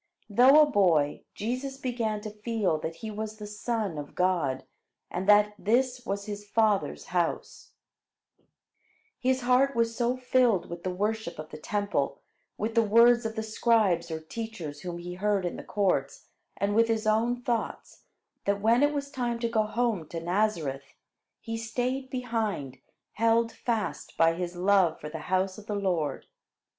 Though a boy, Jesus began to feel that he was the Son of God, and that this was his Father's house. [Illustration: Sitting in a company of the doctors of the law] His heart was so filled with the worship of the Temple, with the words of the scribes or teachers whom he heard in the courts, and with his own thoughts, that when it was time to go home to Nazareth, he stayed behind, held fast by his love for the house of the Lord.